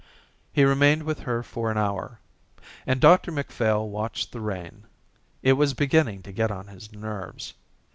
He remained with her for an hour. And Dr Macphail watched the rain. It was beginning to get on his nerves.